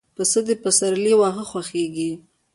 پسه د پسرلي له واښو خوښيږي.